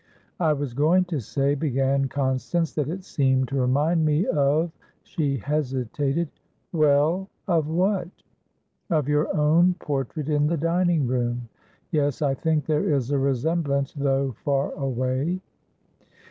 "I was going to say," began Constance, "that it seemed to remind me of" She hesitated. "Well? Of what?" "Of your own portrait in the dining room. Yes, I think there is a resemblance, though far away."